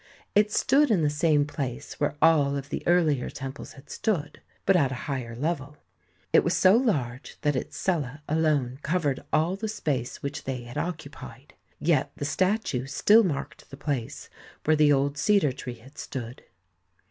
It stood in the same place where all of the earlier temples had stood, but ^at a higher level; it was so large that its cella alone covered all the space which they had occu pied, yet the statue still marked the place where the old cedar tree had stood.